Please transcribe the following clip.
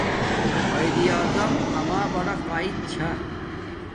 قایداعظم اما برا قاید چھا